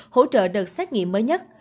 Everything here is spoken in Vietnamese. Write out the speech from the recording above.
hỗ trợ đợt xét nghiệm mới nhất